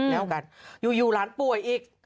แล้วกันอยู่หลานป่วยอีก